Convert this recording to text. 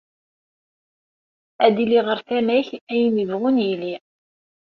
Ad iliɣ ɣer tama-k, ayen yebɣun yili.